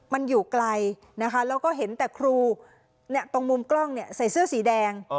มันอยู่ไกลนะคะแล้วก็เห็นแต่ครูตรงมุมกล้องเนี่ยใส่เสื้อสีแดง